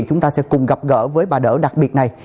chúng ta sẽ cùng gặp gỡ với bà đỡ đặc biệt này